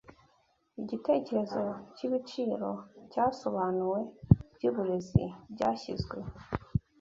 Igitekerezo cyibiciro cyasobanuwe byuburezi byashyizwe